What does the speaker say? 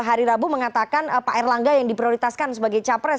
hari rabu mengatakan pak erlangga yang diprioritaskan sebagai capres